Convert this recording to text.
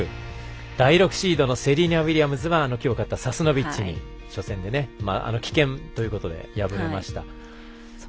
第６シードのセリーナ・ウィリアムズはきょう、勝ったサスノビッチに初戦で棄権ということで敗れました。